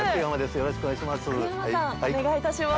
よろしくお願いします。